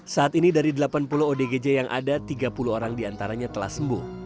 saat ini dari delapan puluh odgj yang ada tiga puluh orang diantaranya telah sembuh